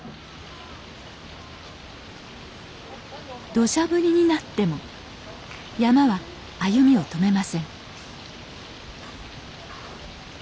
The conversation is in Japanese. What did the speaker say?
どしゃ降りになっても山車は歩みを止めません